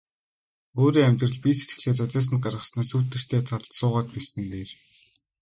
Өөрийн амьдрал бие сэтгэлээ золиосонд гаргаснаас сүүдэртэй талд суугаад байсан нь дээр.